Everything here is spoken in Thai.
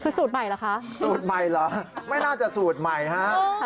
คือสูตรใหม่เหรอคะสูตรใหม่เหรอไม่น่าจะสูตรใหม่ฮะ